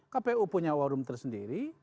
kpu punya war room tersendiri